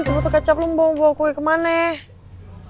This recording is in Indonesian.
sembutan kecap lu mau bawa kue kemana ya